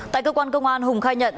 tại cơ quan công an hùng khai nhận